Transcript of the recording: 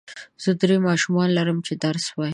زه درې ماشومان لرم چې درس وايي.